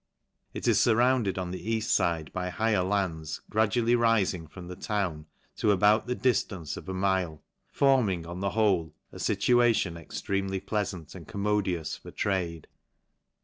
It is furrounded on the eaft>fide by higher lands, gradually riling from the town to about the diftance of a mile ; forming on the whole, a fituation extre mely pleafant, and commodious for trade.